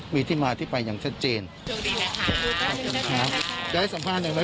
มีที่มาที่ไปอย่างชัดเจนโชคดีนะคะขอบคุณค่ะได้สัมภาษณ์หนึ่งไหม